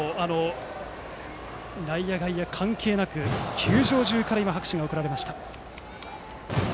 内野、外野関係なく球場中から拍手が送られました。